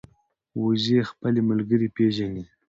وزې خپل ملګري پېژني